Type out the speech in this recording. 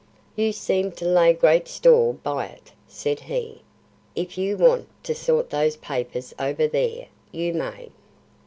"You seem to lay great store by it," said he; "if you want to sort those papers over there, you may."